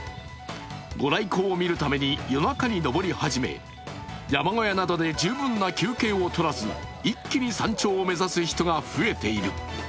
御来光を見るために夜中に登り始め山小屋などで十分な休憩を取らず一気に山頂を目指す人が増えている。